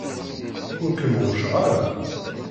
Ur kem-ɣucceɣ ara.